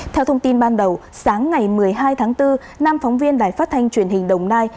theo thông tin ban đầu sáng ngày một mươi hai tháng bốn nam phóng viên đài phát thanh truyền hình đồng nai